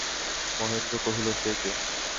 মহেন্দ্র কহিল, সে কে।